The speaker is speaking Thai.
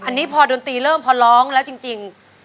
อันนี้พอดนตรีเริ่มพอร้องแล้วจริง